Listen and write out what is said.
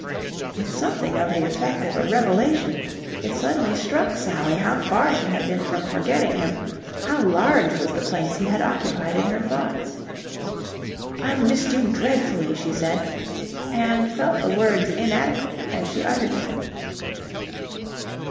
With something of the effect of a revelation it suddenly struck Sally how far she had been from forgetting him, how large was the place he had occupied in her thoughts. "I've missed you dreadfully," she said, and felt the words inadequate as she uttered them.